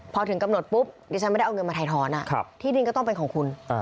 พอถึงกำหนดปุ๊บดิฉันไม่ได้เอาเงินมาถ่ายท้อนที่ดินก็ต้องเป็นของคุณ